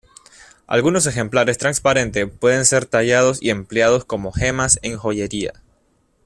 Algunos ejemplares transparente pueden ser tallados y empleados como gemas en joyería.